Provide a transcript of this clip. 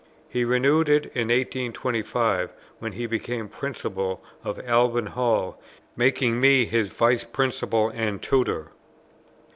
He renewed it in 1825, when he became Principal of Alban Hall, making me his Vice Principal and Tutor.